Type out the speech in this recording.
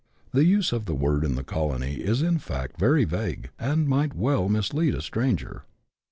The use of the word in the colony is in fact very vague, and might well mislead a stranger.